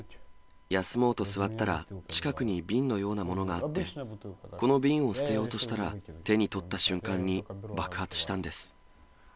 休もうと座ったら、近くに瓶のようなものがあって、この瓶を捨てようとしたら、手に取った瞬間に爆発したんです。